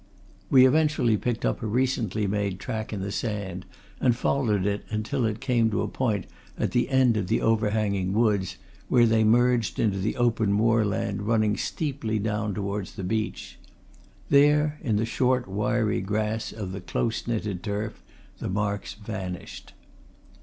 We eventually picked up a recently made track in the sand and followed it until it came to a point at the end of the overhanging woods, where they merged into open moorland running steeply downwards to the beach. There, in the short, wiry grass of the close knitted turf, the marks vanished.